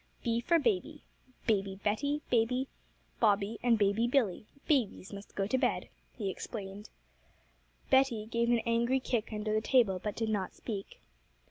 'B for Baby Baby Betty, Baby Bobby, and Baby Billy; babies must go to bed,' he explained. Betty gave an angry kick under the table, but did not speak.